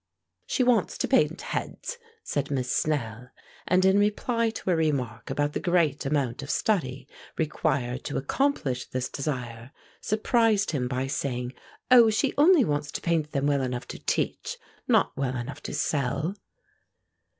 "She wants to paint heads," said Miss Snell; and in reply to a remark about the great amount of study required to accomplish this desire, surprised him by saying, "Oh, she only wants to paint them well enough to teach, not well enough to sell."